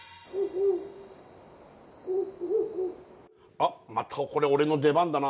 あっまたこれ俺の出番だな。